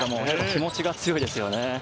気持ちが強いですね。